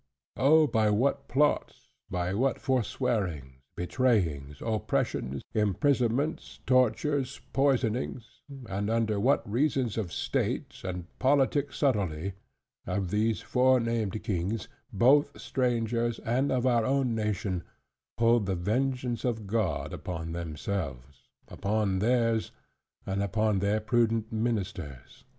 Oh, by what plots, by what forswearings, betrayings, oppressions, imprisonments, tortures, poisonings, and under what reasons of state, and politic subtlety, have these fore named kings, both strangers, and of our own nation, pulled the vengeance of God upon themselves, upon theirs, and upon their prudent ministers!